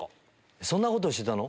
「そんなことしてたの⁉」